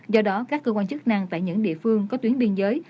do đó các cơ quan chức năng tại những địa phương có tuyến biên giới